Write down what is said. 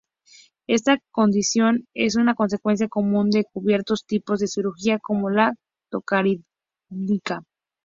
Esta condición es una consecuencia común de ciertos tipos de cirugía, como la torácica.